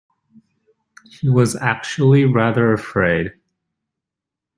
He was actually rather afraid